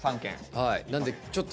はい。